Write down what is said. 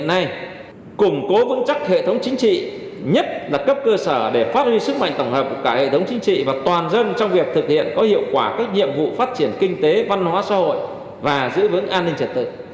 hiện nay củng cố vững chắc hệ thống chính trị nhất là cấp cơ sở để phát huy sức mạnh tổng hợp của cả hệ thống chính trị và toàn dân trong việc thực hiện có hiệu quả các nhiệm vụ phát triển kinh tế văn hóa xã hội và giữ vững an ninh trật tự